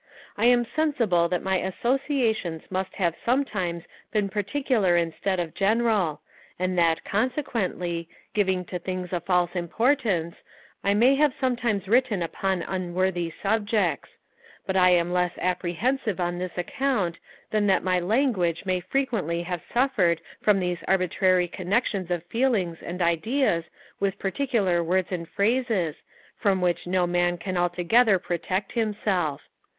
I am sensible that my associations must have sometimes been particular instead of general, and that, consequently, giving to things a false importance, I may have sometimes written upon unworthy subjects; but I am less apprehensive on this account, than that my language may frequently have suffered from those arbitrary connexions of feelings and ideas with particular words and phrases, from which no man can altogether protect himself.